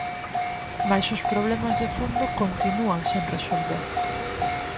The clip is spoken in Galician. Mais os problemas de fondo continúan sen resolver.